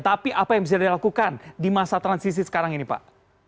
tapi apa yang bisa dilakukan di masa transisi sekarang ini pak